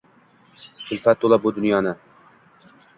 Kulfat to’la bu dunyoni